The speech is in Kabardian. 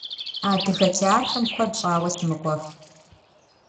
Адыгэ театрым куэд щӏауэ сымыкӏуэф.